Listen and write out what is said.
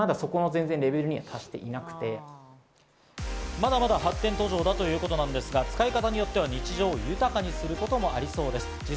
まだまだ発展途上だということなんですが、使い方によっては日常を豊かにすることもありそうです。